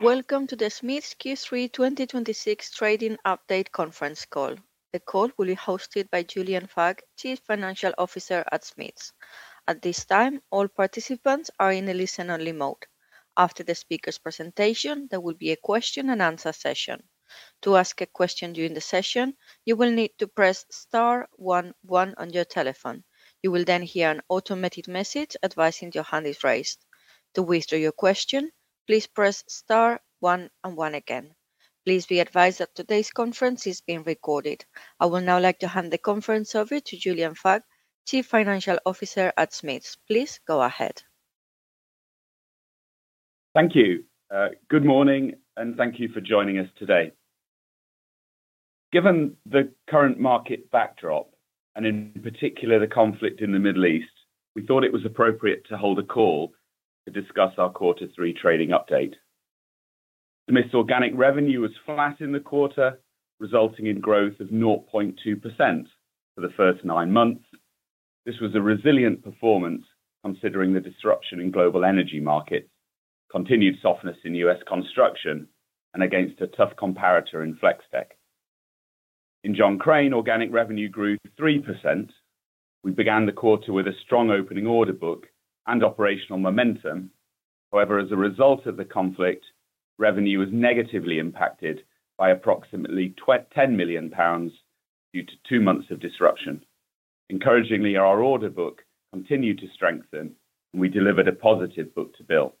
Welcome to the Smiths Q3 2026 trading update conference call. The call will be hosted by Julian Fagge, Chief Financial Officer at Smiths. At this time, all participants are in a listen-only mode. After the speaker's presentation, there will be a question and answer session. To ask a question during the session, you will need to press star one one on your telephone. You will then hear an automated message advising your hand is raised. To withdraw your question, please press star one and one again. Please be advised that today's conference is being recorded. I would now like to hand the conference over to Julian Fagge, Chief Financial Officer at Smiths. Please go ahead. Thank you. Good morning, and thank you for joining us today. Given the current market backdrop, and in particular, the conflict in the Middle East, we thought it was appropriate to hold a call to discuss our Quarter 3 trading update. Smiths' organic revenue was flat in the quarter, resulting in growth of 0.2% for the first nine months. This was a resilient performance considering the disruption in global energy markets, continued softness in U.S. construction, and against a tough comparator in Flex-Tek. In John Crane, organic revenue grew 3%. We began the quarter with a strong opening order book and operational momentum. However, as a result of the conflict, revenue was negatively impacted by approximately 10 million pounds due to two months of disruption. Encouragingly, our order book continued to strengthen, and we delivered a positive book-to-bill.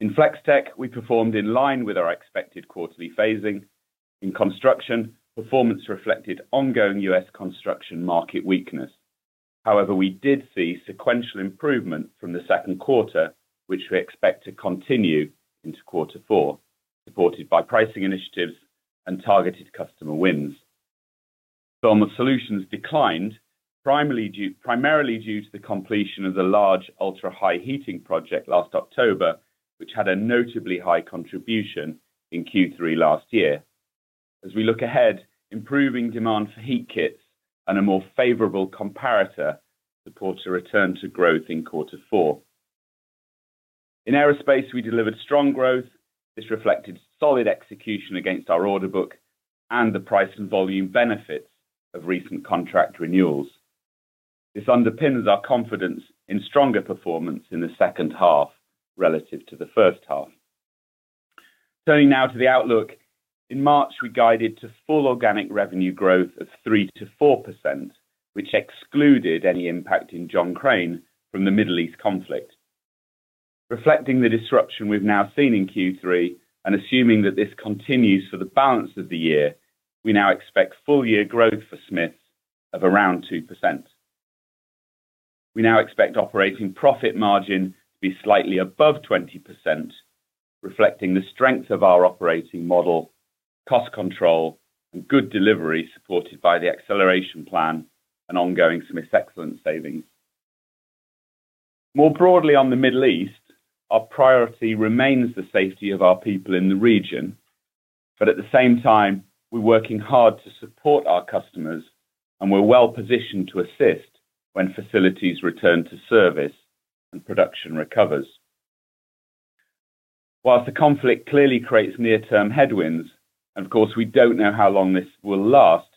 In Flex-Tek, we performed in line with our expected quarterly phasing. In construction, performance reflected ongoing US construction market weakness. However, we did see sequential improvement from the second quarter, which we expect to continue into quarter four, supported by pricing initiatives and targeted customer wins. Thermal solutions declined, primarily due to the completion of the large ultra-high heating project last October, which had a notably high contribution in Q3 last year. As we look ahead, improving demand for heat kits and a more favorable comparator supports a return to growth in quarter four. In aerospace, we delivered strong growth. This reflected solid execution against our order book and the price and volume benefits of recent contract renewals. This underpins our confidence in stronger performance in the second half relative to the first half. Turning now to the outlook. In March, we guided to full organic revenue growth of 3%-4%, which excluded any impact in John Crane from the Middle East conflict. Reflecting the disruption we've now seen in Q3, and assuming that this continues for the balance of the year, we now expect full-year growth for Smiths of around 2%. We now expect operating profit margin to be slightly above 20%, reflecting the strength of our operating model, cost control, and good delivery supported by the Acceleration Plan and ongoing Smiths Excellence savings. More broadly on the Middle East, our priority remains the safety of our people in the region. At the same time, we're working hard to support our customers, and we're well-positioned to assist when facilities return to service and production recovers. Whilst the conflict clearly creates near-term headwinds, and of course, we don't know how long this will last,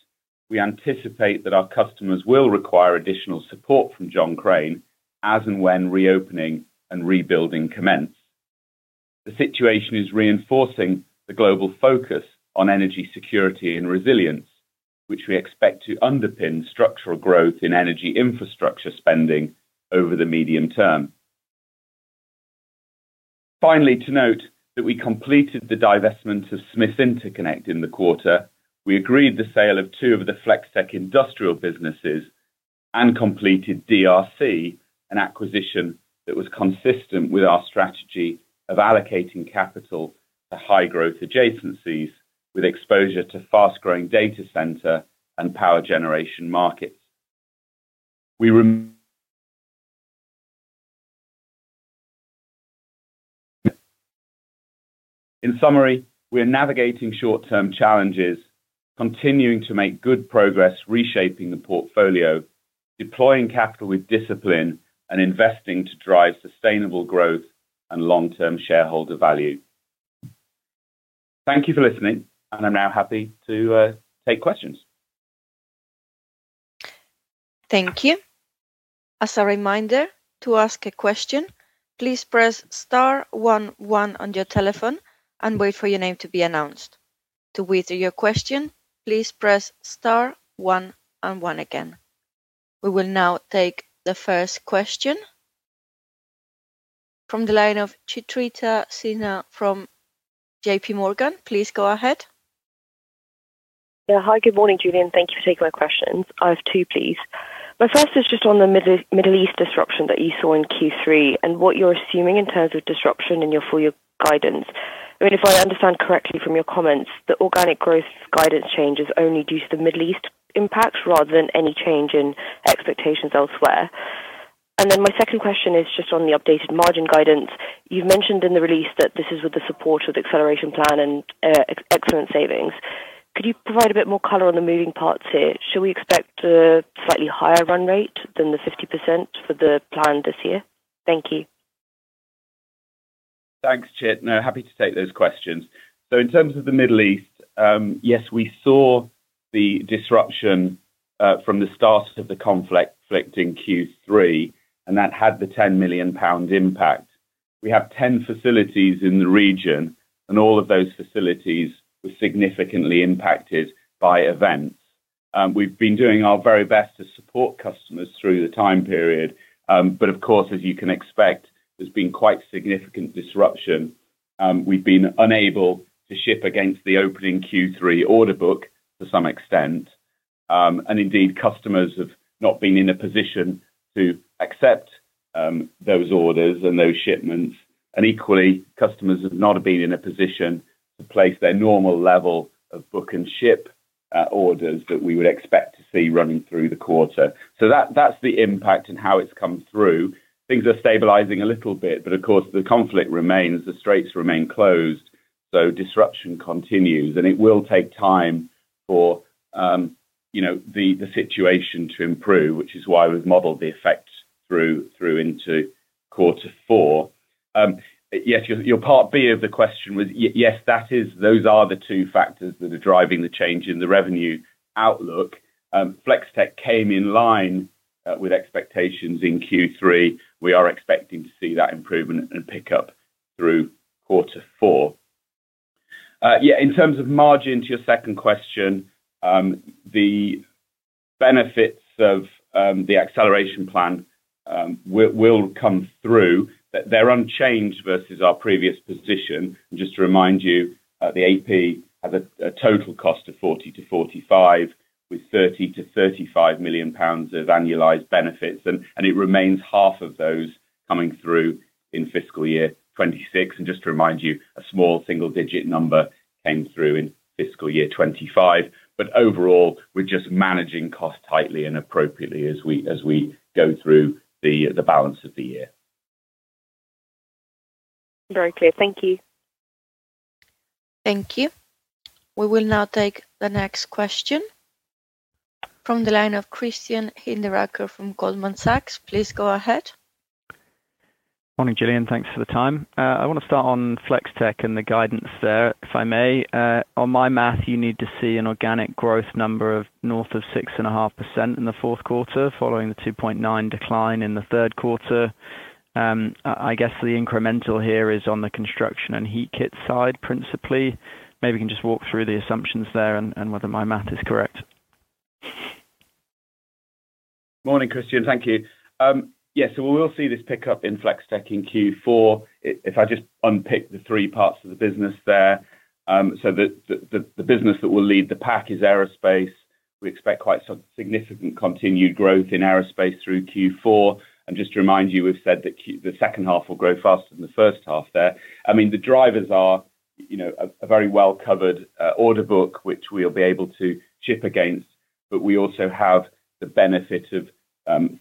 we anticipate that our customers will require additional support from John Crane as and when reopening and rebuilding commence. The situation is reinforcing the global focus on energy security and resilience, which we expect to underpin structural growth in energy infrastructure spending over the medium term. Finally, to note that we completed the divestment of Smiths Interconnect in the quarter. We agreed the sale of two of the Flex-Tek industrial businesses and completed DRC, an acquisition that was consistent with our strategy of allocating capital to high-growth adjacencies with exposure to fast-growing data center and power generation markets. In summary, we are navigating short-term challenges, continuing to make good progress reshaping the portfolio, deploying capital with discipline, and investing to drive sustainable growth and long-term shareholder value. Thank you for listening, and I'm now happy to take questions. Thank you. As a reminder, to ask a question please press star one one on your telephone and wait for your name to be announced. To withdraw your question, please press star one and one again. We will now take the first question from the line of Chitrita Sinha from JPMorgan. Please go ahead. Hi. Good morning, Julian. Thank you for taking my questions. I have two, please. My first is just on the Middle East disruption that you saw in Q3 and what you're assuming in terms of disruption in your full-year guidance. I mean, if I understand correctly from your comments, the organic growth guidance change is only due to the Middle East impact rather than any change in expectations elsewhere. My second question is just on the updated margin guidance. You've mentioned in the release that this is with the support of the Acceleration Plan and Excellence savings. Could you provide a bit more color on the moving parts here? Should we expect a slightly higher run rate than the 50% for the plan this year? Thank you. Thanks, Chit. No, happy to take those questions. In terms of the Middle East, yes, we saw the disruption from the start of the conflict in Q3, and that had the 10 million pound impact. We have 10 facilities in the region, and all of those facilities were significantly impacted by events. We've been doing our very best to support customers through the time period. Of course, as you can expect, there's been quite significant disruption. We've been unable to ship against the opening Q3 order book to some extent. Indeed, customers have not been in a position to accept those orders and those shipments. Equally, customers have not been in a position to place their normal level of book and ship orders that we would expect to see running through the quarter. That's the impact and how it's come through. Things are stabilizing a little bit, of course, the conflict remains, the straits remain closed, disruption continues, and it will take time for the situation to improve, which is why we've modeled the effect through into quarter four. Your part B of the question was, yes, those are the two factors that are driving the change in the revenue outlook. Flex-Tek came in line with expectations in Q3. We are expecting to see that improvement and pick up through quarter four. In terms of margin, to your second question, the benefits of the Acceleration Plan will come through. They're unchanged versus our previous position. Just to remind you, the AP has a total cost of 40 million-45 million, with 30 million-35 million pounds of annualized benefits, and it remains half of those coming through in fiscal year 2026. Just to remind you, a small single-digit number came through in FY 2025. Overall, we're just managing cost tightly and appropriately as we go through the balance of the year. Very clear. Thank you. Thank you. We will now take the next question from the line of Christian Hinderaker from Goldman Sachs. Please go ahead. Morning, Julian. Thanks for the time. I want to start on Flex-Tek and the guidance there, if I may. On my math, you need to see an organic growth number of north of 6.5% in the fourth quarter, following the 2.9% decline in the third quarter. I guess the incremental here is on the construction and heat kit side, principally. Maybe you can just walk through the assumptions there and whether my math is correct. Morning, Christian. Thank you. Yeah. We will see this pick up in Flex-Tek in Q4. If I just unpick the three parts of the business there. The business that will lead the pack is aerospace. We expect quite significant continued growth in aerospace through Q4. Just to remind you, we've said that the second half will grow faster than the first half there. The drivers are a very well-covered order book, which we'll be able to ship against, but we also have the benefit of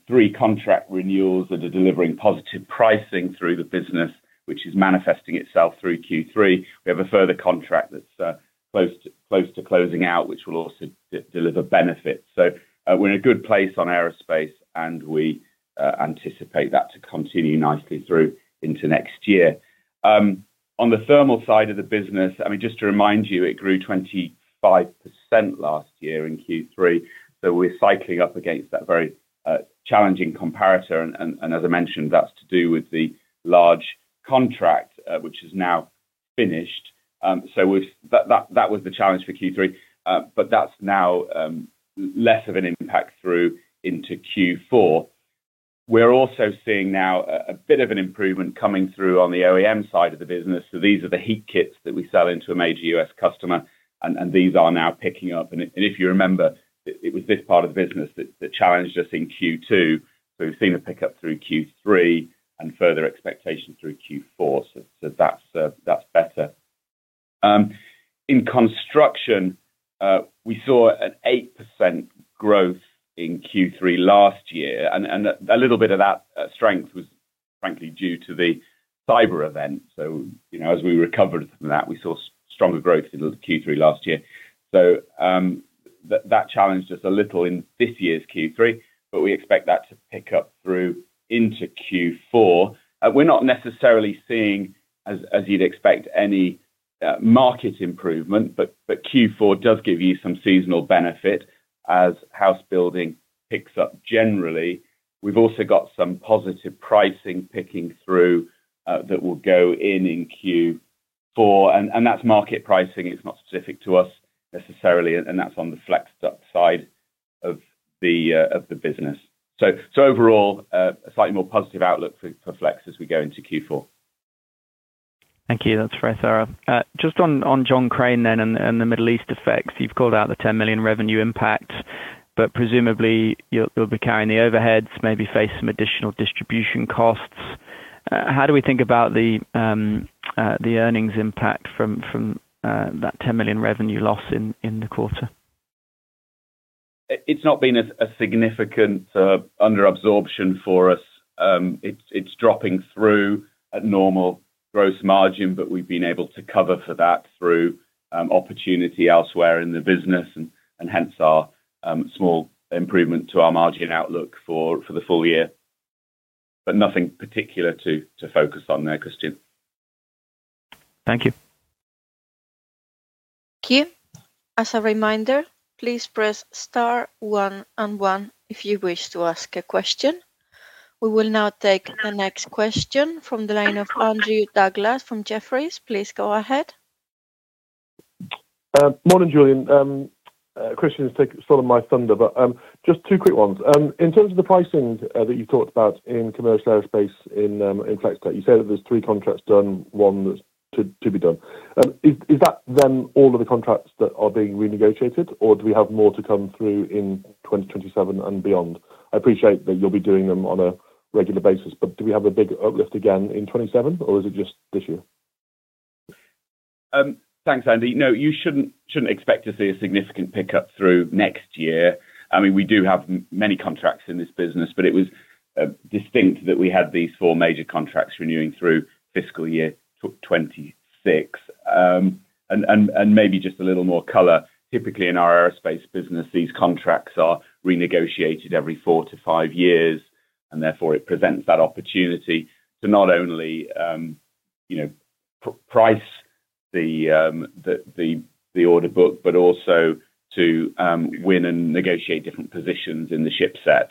three contract renewals that are delivering positive pricing through the business, which is manifesting itself through Q3. We have a further contract that's close to closing out, which will also deliver benefits. We're in a good place on aerospace, and we anticipate that to continue nicely through into next year. On the thermal side of the business, just to remind you, it grew 25% last year in Q3. We're cycling up against that very challenging comparator, and as I mentioned, that's to do with the large contract, which is now finished. That was the challenge for Q3, but that's now less of an impact through into Q4. We're also seeing now a bit of an improvement coming through on the OEM side of the business. These are the heat kits that we sell into a major U.S. customer, and these are now picking up. If you remember, it was this part of the business that challenged us in Q2. We've seen a pick up through Q3 and further expectation through Q4. That's better. In construction, we saw an 8% growth in Q3 last year, and a little bit of that strength was frankly due to the cyber event. As we recovered from that, we saw stronger growth in Q3 last year. That challenged us a little in this year's Q3, but we expect that to pick up through into Q4. We are not necessarily seeing, as you would expect, any market improvement, but Q4 does give you some seasonal benefit as house building picks up generally. We have also got some positive pricing picking through that will go in in Q4, and that is market pricing. It is not specific to us necessarily, and that is on the flex duct side of the business. Overall, a slightly more positive outlook for Flex as we go into Q4. Thank you. That's very thorough. On John Crane and the Middle East effects. You've called out the 10 million revenue impact, presumably you'll be carrying the overheads, maybe face some additional distribution costs. How do we think about the earnings impact from that 10 million revenue loss in the quarter? It's not been a significant under-absorption for us. It's dropping through at normal gross margin, but we've been able to cover for that through opportunity elsewhere in the business and hence our small improvement to our margin outlook for the full year. Nothing particular to focus on there, Christian. Thank you. Thank you. As a reminder, please press star one and one if you wish to ask a question. We will now take the next question from the line of Andy Douglas from Jefferies. Please go ahead. Morning, Julian. Christian's taken sort of my thunder, but just two quick ones. In terms of the pricing that you talked about in commercial aerospace in Flex-Tek, you said that there's three contracts done, one that's to be done. Is that all of the contracts that are being renegotiated, or do we have more to come through in 2027 and beyond? I appreciate that you'll be doing them on a regular basis, but do we have a big uplift again in 2027, or is it just this year? Thanks, Andy. No, you shouldn't expect to see a significant pickup through next year. We do have many contracts in this business, but it was distinct that we had these four major contracts renewing through FY 2026. Maybe just a little more color, typically in our aerospace business, these contracts are renegotiated every four to five years, and therefore it presents that opportunity to not only price the order book, but also to win and negotiate different positions in the shipset.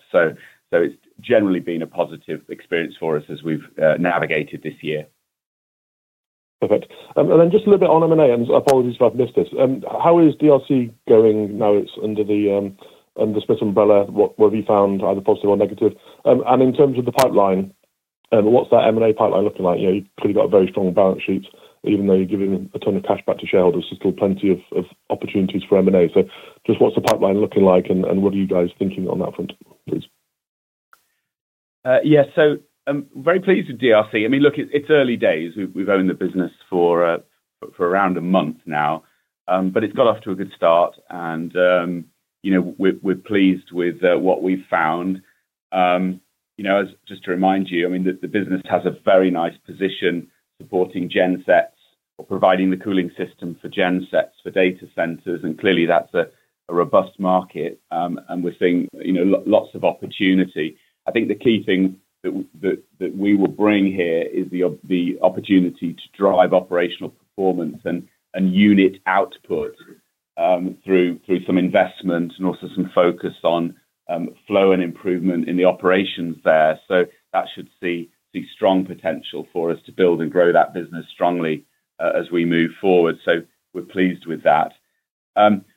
It's generally been a positive experience for us as we've navigated this year. Perfect. Then just a little bit on M&A, and apologies if I've missed this. How is DRC going now it's under the Smiths umbrella? What have you found either positive or negative? In terms of the pipeline, what's that M&A pipeline looking like? You've clearly got a very strong balance sheet, even though you're giving a ton of cash back to shareholders, there's still plenty of opportunities for M&A. Just what's the pipeline looking like, and what are you guys thinking on that front, please? Yeah. Very pleased with DRC. Look, it's early days. We've owned the business for around a month now. It's got off to a good start and we're pleased with what we've found. Just to remind you, the business has a very nice position supporting gensets or providing the cooling system for gensets for data centers, and clearly that's a robust market. We're seeing lots of opportunity. I think the key thing that we will bring here is the opportunity to drive operational performance and unit output through some investment and also some focus on flow and improvement in the operations there. That should see strong potential for us to build and grow that business strongly as we move forward. We're pleased with that.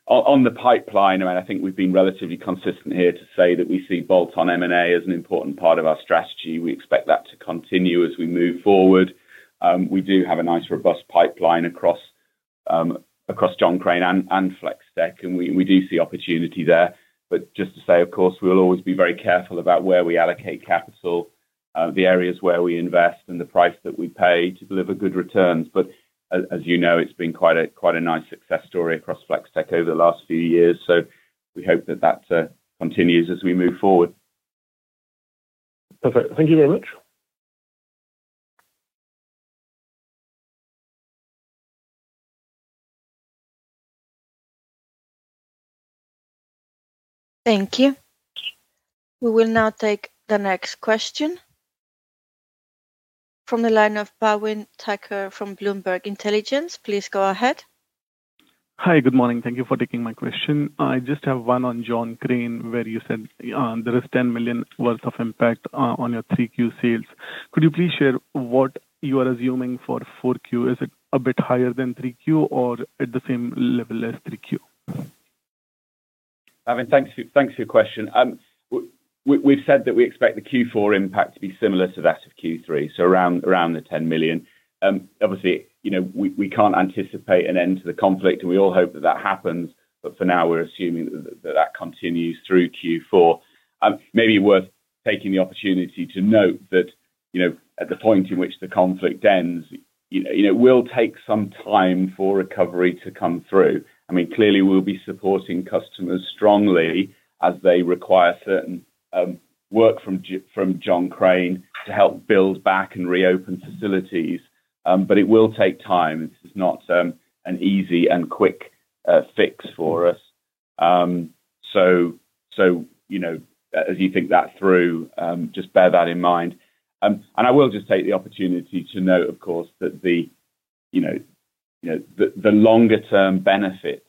On the pipeline, I think we've been relatively consistent here to say that we see bolt-on M&A as an important part of our strategy. We expect that to continue as we move forward. We do have a nice, robust pipeline across John Crane and Flex-Tek. We do see opportunity there. Just to say, of course, we'll always be very careful about where we allocate capital, the areas where we invest, and the price that we pay to deliver good returns. We hope that that continues as we move forward. Perfect. Thank you very much. Thank you. We will now take the next question from the line of Bhawin Thakker from Bloomberg Intelligence. Please go ahead. Hi. Good morning. Thank you for taking my question. I just have one on John Crane, where you said there is 10 million worth of impact on your 3Q sales. Could you please share what you are assuming for 4Q? Is it a bit higher than 3Q or at the same level as 3Q? Bhawin, thanks for your question. We've said that we expect the Q4 impact to be similar to that of Q3, so around 10 million. Obviously, we can't anticipate an end to the conflict, and we all hope that that happens. For now, we're assuming that that continues through Q4. Maybe worth taking the opportunity to note that at the point in which the conflict ends, it will take some time for recovery to come through. Clearly, we'll be supporting customers strongly as they require certain work from John Crane to help build back and reopen facilities, but it will take time. This is not an easy and quick fix for us. As you think that through, just bear that in mind. I will just take the opportunity to note, of course, that the longer-term benefits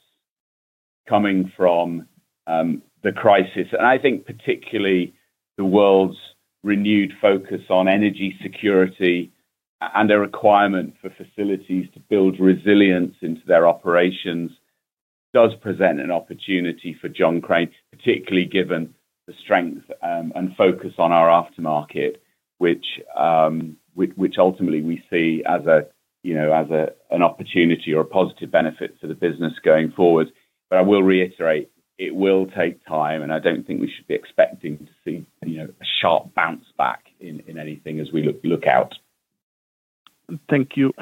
coming from the crisis, and I think particularly the world's renewed focus on energy security and a requirement for facilities to build resilience into their operations, does present an opportunity for John Crane, particularly given the strength and focus on our aftermarket, which ultimately we see as an opportunity or a positive benefit to the business going forward. I will reiterate, it will take time, and I don't think we should be expecting to see a sharp bounce back in anything as we look out Thank you.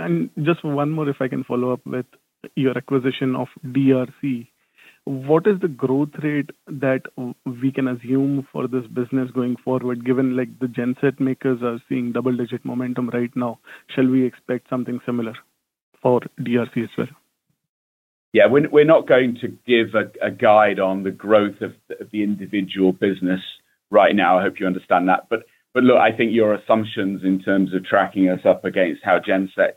Just one more if I can follow up with your acquisition of DRC. What is the growth rate that we can assume for this business going forward, given the genset makers are seeing double-digit momentum right now? Shall we expect something similar for DRC as well? Yeah. We're not going to give a guide on the growth of the individual business right now. I hope you understand that. Look, I think your assumptions in terms of tracking us up against how genset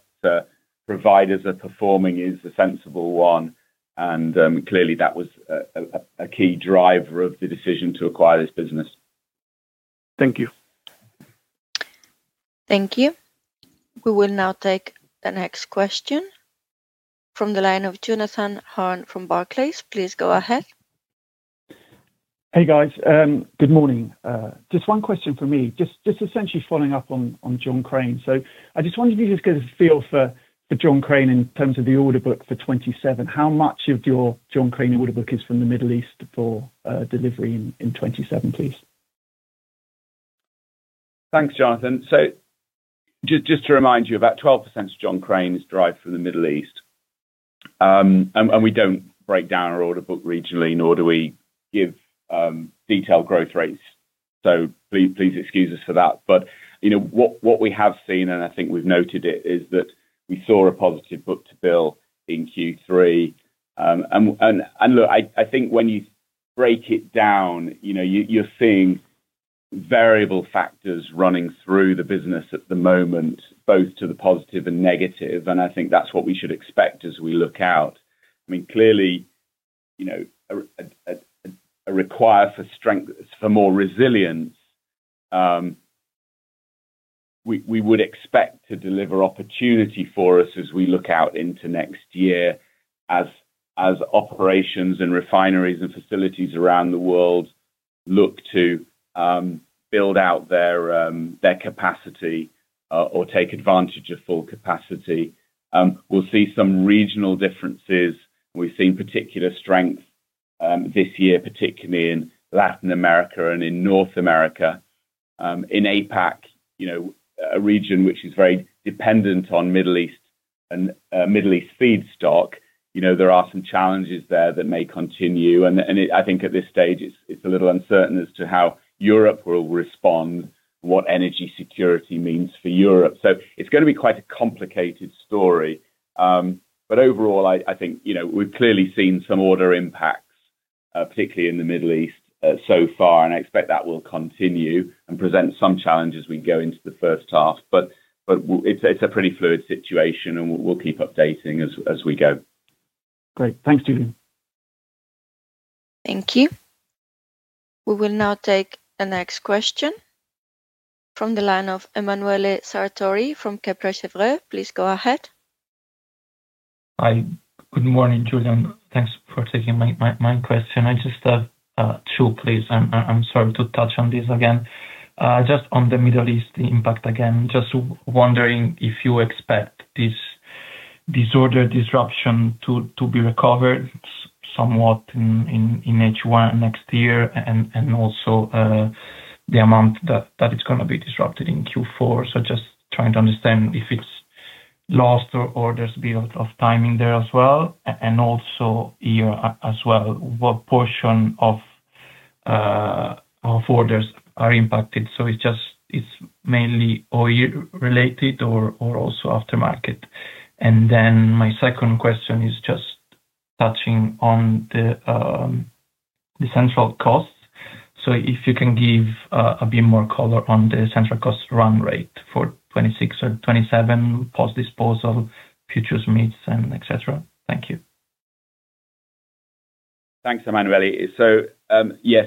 providers are performing is a sensible one, and clearly that was a key driver of the decision to acquire this business. Thank you. Thank you. We will now take the next question from the line of Jonathan Hurn from Barclays. Please go ahead. Hey, guys. Good morning. Just one question for me, just essentially following up on John Crane. I just wondered if you could just get a feel for John Crane in terms of the order book for 2027. How much of your John Crane order book is from the Middle East for delivery in 2027, please? Thanks, Jonathan. Just to remind you, about 12% of John Crane is derived from the Middle East. We don't break down our order book regionally, nor do we give detailed growth rates. Please excuse us for that. What we have seen, and I think we've noted it, is that we saw a positive book-to-bill in Q3. Look, I think when you break it down, you're seeing variable factors running through the business at the moment, both to the positive and negative, and I think that's what we should expect as we look out. Clearly, a require for more resilience, we would expect to deliver opportunity for us as we look out into next year as operations and refineries and facilities around the world look to build out their capacity or take advantage of full capacity. We'll see some regional differences. We've seen particular strength this year, particularly in Latin America and in North America. In APAC, a region which is very dependent on Middle East feedstock, there are some challenges there that may continue. I think at this stage, it's a little uncertain as to how Europe will respond, what energy security means for Europe. It's going to be quite a complicated story. Overall, I think we've clearly seen some order impacts, particularly in the Middle East so far, and I expect that will continue and present some challenge as we go into the first half. It's a pretty fluid situation, and we'll keep updating as we go. Great. Thanks, Julian. Thank you. We will now take the next question from the line of Emanuele Sartori from Kepler Cheuvreux. Please go ahead. Hi. Good morning, Julian. Thanks for taking my question. I just have two, please. I'm sorry to touch on this again. On the Middle East impact again, just wondering if you expect this order disruption to be recovered somewhat in H1 next year, and also the amount that is going to be disrupted in Q4. Just trying to understand if it's lost or there's a bit of timing there as well. Also here as well, what portion of orders are impacted? It's mainly oil-related or also aftermarket. Then my second question is just touching on the central costs. If you can give a bit more color on the central cost run rate for 2026 or 2027, post-disposal, future metrics, and et cetera. Thank you. Thanks, Emanuele. Yes.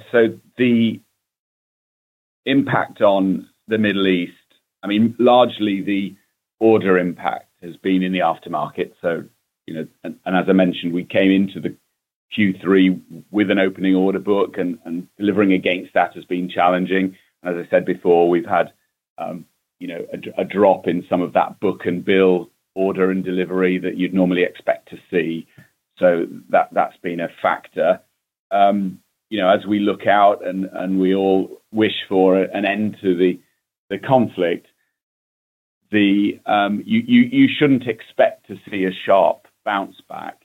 The impact on the Middle East, largely the order impact has been in the aftermarket. As I mentioned, we came into the Q3 with an opening order book, and delivering against that has been challenging. As I said before, we've had a drop in some of that book-to-bill order and delivery that you'd normally expect to see. That's been a factor. As we look out and we all wish for an end to the conflict, you shouldn't expect to see a sharp bounce back.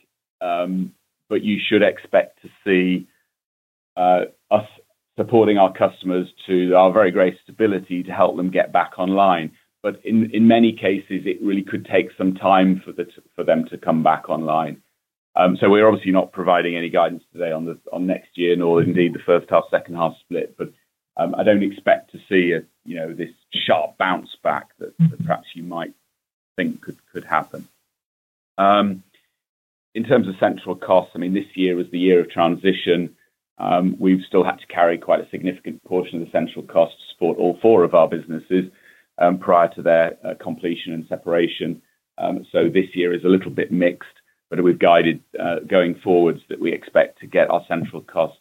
You should expect to see us supporting our customers to our very great stability to help them get back online. In many cases, it really could take some time for them to come back online. We're obviously not providing any guidance today on next year, nor indeed the first half, second half split. I don't expect to see this sharp bounce back that perhaps you might think could happen. In terms of central cost, this year was the year of transition. We've still had to carry quite a significant portion of the central cost to support all four of our businesses prior to their completion and separation. This year is a little bit mixed, but we've guided going forward that we expect to get our central costs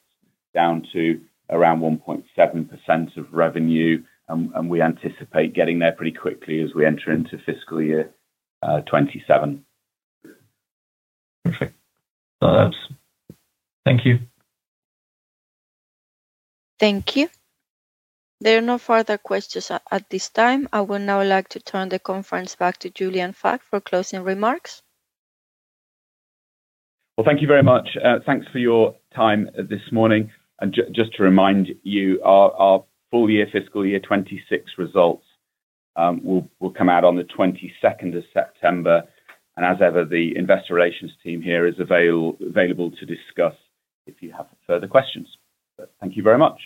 down to around 1.7% of revenue, and we anticipate getting there pretty quickly as we enter into fiscal year 2027. Perfect. Thank you. Thank you. There are no further questions at this time. I would now like to turn the conference back to Julian Fagge for closing remarks. Thank you very much. Thanks for your time this morning. Just to remind you, our full year fiscal year 2026 results will come out on the 22nd of September. As ever, the investor relations team here is available to discuss if you have further questions. Thank you very much.